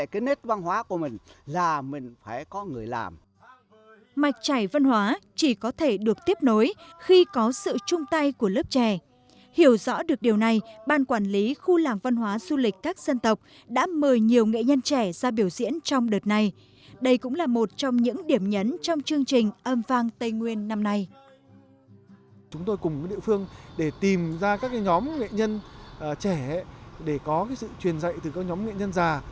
chúng tôi cùng địa phương tìm ra các nhóm nghệ nhân trẻ để có sự truyền dạy từ các nhóm nghệ nhân già